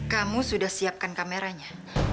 kamu sudah siapkan kameranya